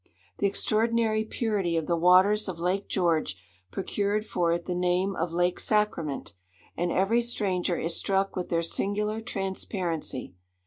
The extraordinary purity of the waters of Lake George procured for it the name of Lake Sacrament; and every stranger is struck with their singular transparency.